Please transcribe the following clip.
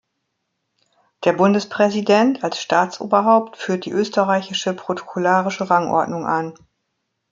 Der Bundespräsident als Staatsoberhaupt führt die österreichische protokollarische Rangordnung an.